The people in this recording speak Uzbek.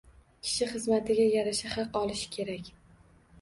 Kishi xizmatiga yarasha haq olishi kerak